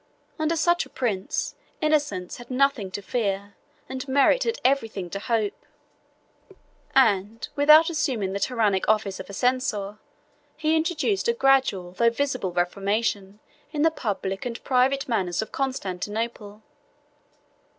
Under such a prince, innocence had nothing to fear, and merit had every thing to hope; and, without assuming the tyrannic office of a censor, he introduced a gradual though visible reformation in the public and private manners of Constantinople.